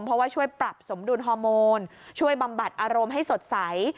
เพราะว่าช่วยปรับสมดุลฮอร์โมนช่วยบำบัดอารมณ์ให้สดใส